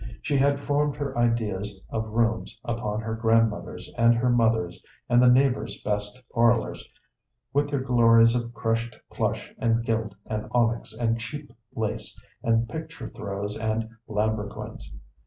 She had formed her ideas of rooms upon her grandmother's and her mother's and the neighbors' best parlors, with their glories of crushed plush and gilt and onyx and cheap lace and picture throws and lambrequins.